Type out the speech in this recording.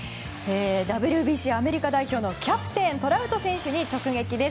ＷＢＣアメリカ代表のキャプテントラウト選手に直撃です。